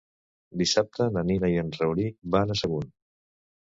Dissabte na Nina i en Rauric van a Sagunt.